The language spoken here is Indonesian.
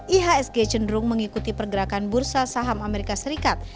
ihsg cenderung mengikuti pergerakan bursa saham amerika serikat